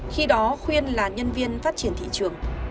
khi đó khuyên là nhân viên phát triển thị trường